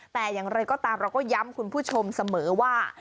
แต่อย่างไรก็ตามเราก็ย้ำคุณผู้ชมเสมอว่า